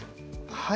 はい。